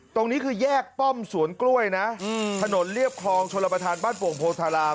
ตรงนี้คือแยกป้อมสวนกล้วยนะถนนเรียบคลองชลประธานบ้านโป่งโพธาราม